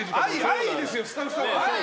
愛ですよ、スタッフさんの。